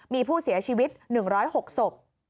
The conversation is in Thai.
มีผู้เสียชีวิต๑๐๖ศพ